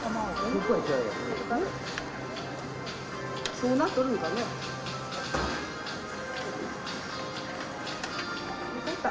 そうなっとるんかね分かった